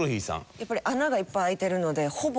やっぱり穴がいっぱい開いてるのでほぼ。